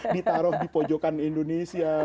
ditaruh di pojokan indonesia